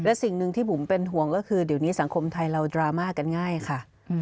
และสิ่งหนึ่งที่บุ๋มเป็นห่วงก็คือเดี๋ยวนี้สังคมไทยเราดราม่ากันง่ายค่ะ